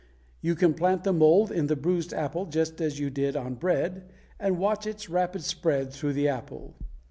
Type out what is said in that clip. You can plant the mold in the bruised apple just as you did on bread and watch its rapid spread through the apple.